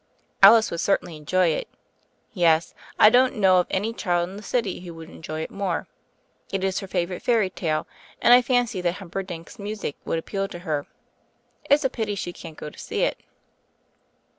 Alice would certainly enjoy it. Yes, I don't know of any child in the city who would enjoy it more. It is her favorite fairy tale; and 1 fancy that Humperdinck's music would appeal to her. It's a pity she can't go to see it."